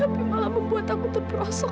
tapi malah membuat aku terperosok